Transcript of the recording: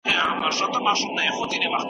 د موضوع د تحلیل لپاره دلایل ولرئ.